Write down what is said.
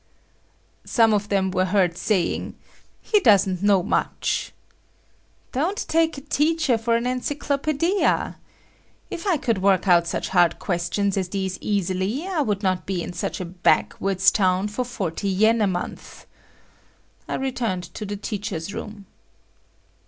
Some of them were heard saying "He doesn't know much." Don't take a teacher for an encyclopaedia! If I could work out such hard questions as these easily, I would not be in such a backwoods town for forty yen a month. I returned to the teachers' room.